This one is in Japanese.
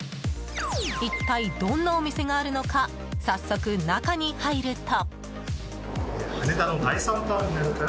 一体どんなお店があるのか早速、中に入ると。